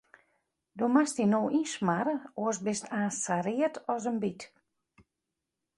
Do moatst dy no ynsmarre, oars bist aanst sa read as in byt.